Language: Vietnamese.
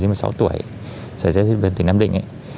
trong một mươi sáu tuổi xảy ra trên huyện tỉnh nam định